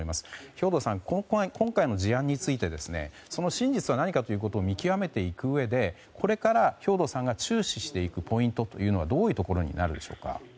兵頭さん、今回の事案について真実は何かということを見極めていくうえでこれから兵頭さんが注視していくポイントというのはどういうところになるでしょうか。